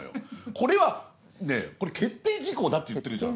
これはねぇこれ決定事項だって言ってるじゃん。